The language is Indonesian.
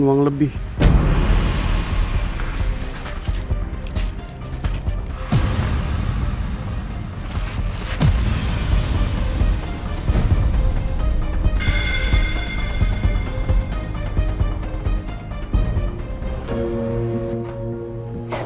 yang mereka buat